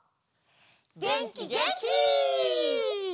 げんきげんき！